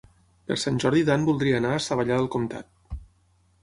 Per Sant Jordi en Dan voldria anar a Savallà del Comtat.